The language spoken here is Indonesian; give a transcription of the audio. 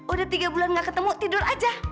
udah tiga bulan gak ketemu tidur aja